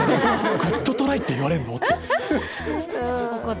グッドトライって言われるのって。